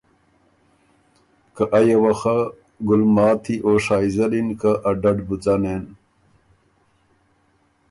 که ایه وه خه ګلماتی او شائزل اِن که ا ډډ بُو ځنېن